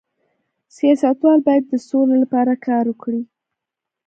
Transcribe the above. سیاستوال باید د سولې لپاره کار وکړي